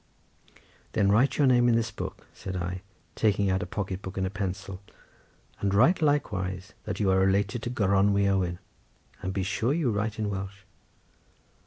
"Then write your name in this book," said I, taking out a pocket book and a pencil, "and write likewise that you are related to Gronwy Owen—and be sure you write in Welsh."